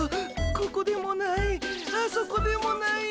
ここでもないあそこでもない。